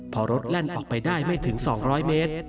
พอรถแล่นออกไปได้ไม่ถึง๒๐๐เมตร